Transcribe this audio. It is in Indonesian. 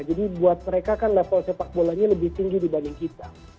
jadi buat mereka kan level sepakbolanya lebih tinggi dibanding kita